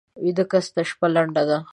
ویده کس ته شپه لنډه وي